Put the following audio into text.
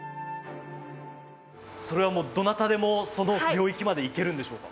それはもうどなたでもその領域までいけるんでしょうか？